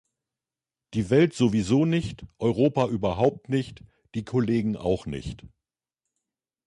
Die Welt sowieso nicht, Europa überhaupt nicht, die Kollegen auch nicht.